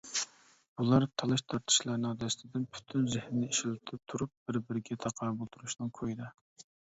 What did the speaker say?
بۇلار تالاش تارتىشلارنىڭ دەستىدىن پۈتۈن زېھنىنى ئىشلىتىپ تۇرۇپ بىر -بىرىگە تاقابىل تۇرۇشنىڭ كويىدا.